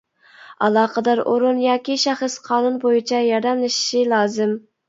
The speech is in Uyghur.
ئالاقىدار ئورۇن ياكى شەخس قانۇن بويىچە ياردەملىشىشى لازىم.